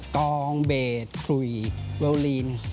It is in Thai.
กลองเบทคุยเวอร์ลีน